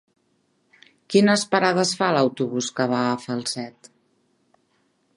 Quines parades fa l'autobús que va a Falset?